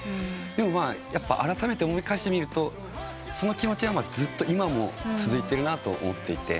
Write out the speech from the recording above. でもまあやっぱあらためて思い返してみるとその気持ちはずっと今も続いているなと思っていて。